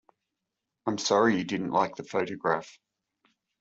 I’m sorry you didn’t like the photograph.